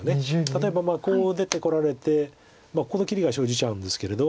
例えばこう出てこられてここの切りが生じちゃうんですけれど。